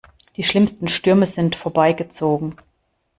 Die schlimmsten Stürme sind vorbei gezogen.